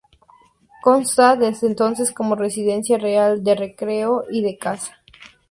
Consta desde entonces como residencia real de recreo y de caza.